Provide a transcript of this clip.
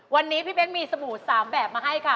วันนี้พี่เป๊กมีสบู่๓แบบมาให้ค่ะ